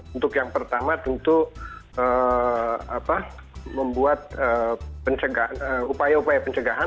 untuk yang pertama tentu membuat upaya upaya pencegahan